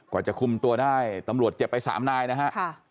กว่าจะคุมตัวได้ตำรวจเจ็บไปสามนายนะฮะ